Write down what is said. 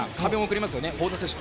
本多選手